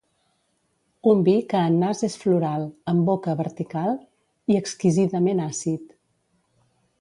Un vi que en nas és floral, en boca vertical, i exquisidament àcid.